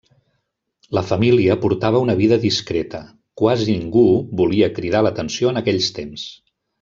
La família portava una vida discreta: quasi ningú volia cridar l’atenció en aquells temps.